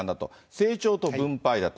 成長と分配だと。